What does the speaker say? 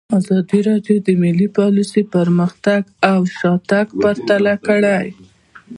ازادي راډیو د مالي پالیسي پرمختګ او شاتګ پرتله کړی.